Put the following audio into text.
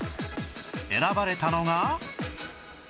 選ばれたのが